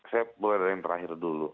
saya mulai dari yang terakhir dulu